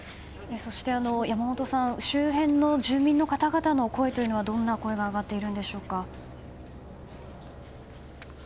山本さん周辺の住民の方々からどんな声が上がっているんでしょうか？